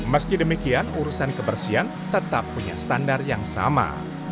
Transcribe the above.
meski demikian urusan kebersihan tetap punya standar yang sama